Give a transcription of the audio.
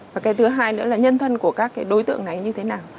và cái thứ hai nữa là nhân thân của các cái đối tượng này như thế nào